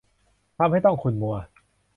ทำให้ต้องขุ่นมัว